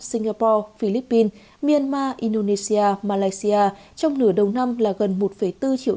singapore philippines myanmar indonesia malaysia trong nửa đầu năm là gần một bốn triệu